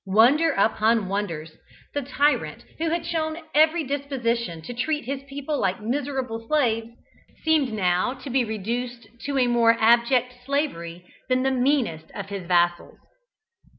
Wonder upon wonders! The tyrant, who had shown every disposition to treat his people like miserable slaves, seemed now to be reduced to more abject slavery than the meanest of his vassals.